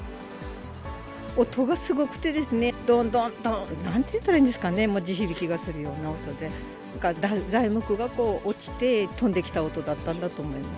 音がすごくてですね、どんどんどん、なんて言ったらいいんですかね、もう地響きがするような音で、なんか材木が落ちて、飛んできた音だったんだと思います。